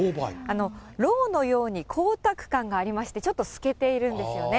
ろうのように光沢感がありまして、ちょっと透けているんですよね。